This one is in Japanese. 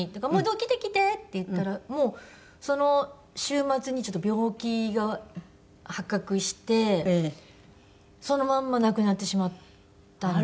「来て来て！」って言ったらもうその週末にちょっと病気が発覚してそのまま亡くなってしまったんですよ。